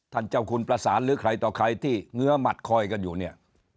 เจ้าคุณประสานหรือใครต่อใครที่เงื้อหมัดคอยกันอยู่เนี่ย